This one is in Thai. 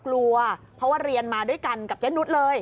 กลัวเพราะว่าเรียนมาด้วยกันกับเจนุสเลย